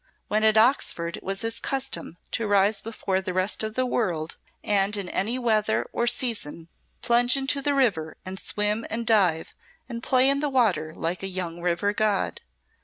When at Oxford it was his custom to rise before the rest of the world, and in any weather or season plunge into the river and swim and dive and play in the water like a young river god.